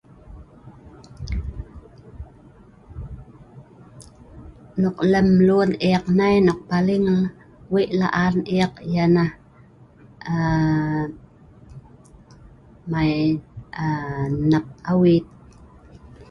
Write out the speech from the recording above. Nok lem lun ek nai, nok paling wei' laan ek yanah aa mai aa nap awit